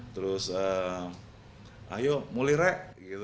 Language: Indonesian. terus ayo muli rek